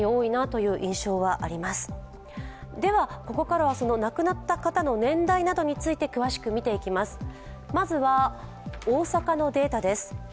ここからは亡くなった方の年代などについて詳しく見ていきます。